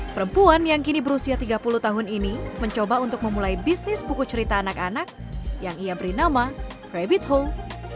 perempuan yang kini berusia tiga puluh tahun ini mencoba untuk memulai bisnis buku cerita anak anak yang ia beri nama rabbit home